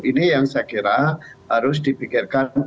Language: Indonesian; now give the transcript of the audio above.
ini yang saya kira harus dipikirkan